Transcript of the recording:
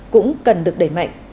cũng cần được đẩy mạnh